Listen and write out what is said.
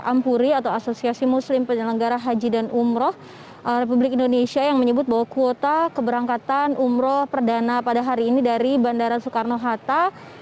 ampuri atau asosiasi muslim penyelenggara haji dan umroh republik indonesia yang menyebut bahwa kuota keberangkatan umroh perdana pada hari ini dari bandara soekarno hatta